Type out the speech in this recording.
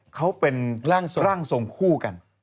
เขาเป็นร่างทรงคู่กัน